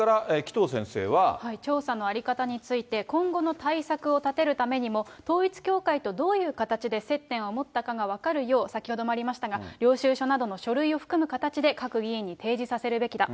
調査の在り方について、今後の対策を立てるためにも、統一教会とどういう形で接点を持ったかが分かるよう、先ほどもありましたが、領収書などの書類を含む形で各議員に提示させるべきだ。